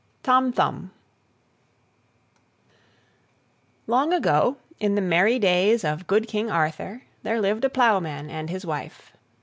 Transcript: TOM THUMB Long ago, in the merry days of good King Arthur, there lived a ploughman and his wife.